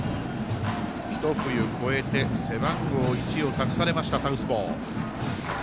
一冬越えて背番号１を託されたサウスポー。